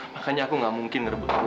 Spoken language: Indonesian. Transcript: makanya aku gak mungkin nge rebut kamu